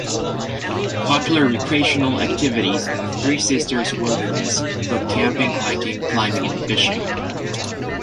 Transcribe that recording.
Popular recreational activities in the Three Sisters Wilderness include camping, hiking, climbing and fishing.